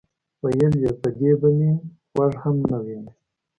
ویل یې: په دې به مې غوږ هم نه وینئ.